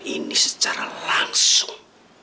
ini secara langsung